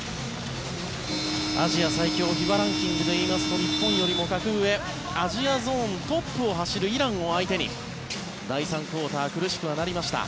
アジア最強ＦＩＢＡランキングでいいますと日本よりも格上アジアゾーントップを走るイランを相手に第３クオーター苦しくはなりました。